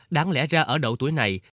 đáng lẽ ra ở độ tuổi này